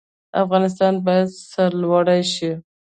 افغانستان باید سرلوړی شي